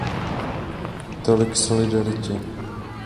Tolik k solidaritě!